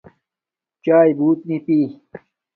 چاݵے بوت نی پی